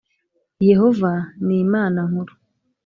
Yehova ni imana nkuru